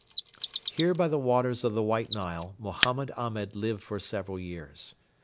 Here by the waters of the White Nile Mohammed Ahmed lived for several years.